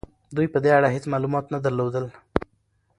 دوی په دې اړه هيڅ معلومات نه درلودل.